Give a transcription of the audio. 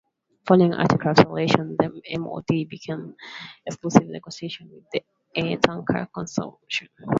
Following aircraft selection the MoD began exclusive negotiations with the Airtanker consortium.